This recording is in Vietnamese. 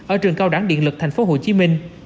ở trường cao đẳng điện lực thành phố hồ chí minh